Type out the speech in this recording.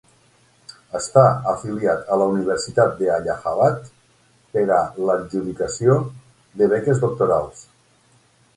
Està afiliat a la Universitat de Allahabad per a l'adjudicació de beques doctorals.